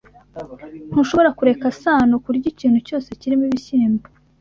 Ntushobora kureka Sano kurya ikintu cyose kirimo ibishyimbo.